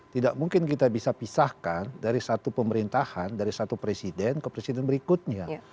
tidak mungkin kita bisa pisahkan dari satu pemerintahan dari satu presiden ke presiden berikutnya